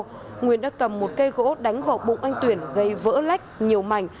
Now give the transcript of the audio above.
sau đó nguyên đã cầm một cây gỗ đánh vào bụng anh tuyển gây vỡ lách nhiều mảnh